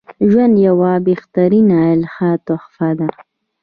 ژوند یوه بهترینه الهی تحفه ده